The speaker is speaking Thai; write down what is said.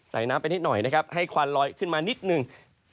น้ำไปนิดหน่อยนะครับให้ควันลอยขึ้นมานิดหนึ่ง